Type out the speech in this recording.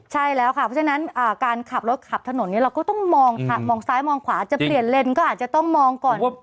ใช่แล้วค่ะเพราะฉะนั้นการขับรถขับถนนนี้เราก็ต้องมองซ้ายมองขวาจะเปลี่ยนเลนก็อาจจะต้องมองก่อน